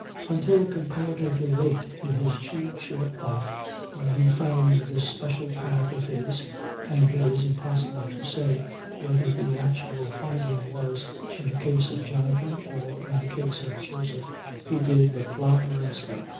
Until comparatively late in his too short life, when he found this special path of his (and it is impossible to say whether the actual finding was in the case of Jonathan or in the case of Joseph), he did but flounder and slip.